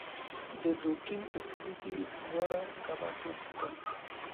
د دوکین په کلي کې لوړه کلا هم سته